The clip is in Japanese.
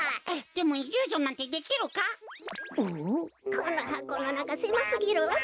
このはこのなかせますぎるわべ。